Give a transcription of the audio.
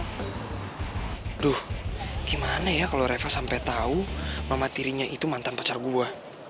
aduh gimana ya kalau reva sampai tahu mama tirinya itu mantan pacar gue